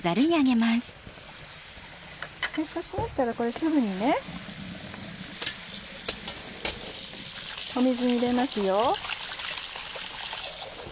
そうしましたらすぐに水に入れますよ。